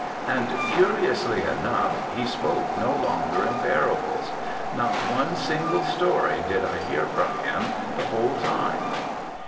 And curiously enough he spoke no longer in parables; not one single story did I hear from him the whole time.